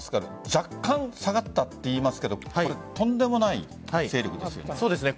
若干下がったといいますがとんでもない勢力ですよね。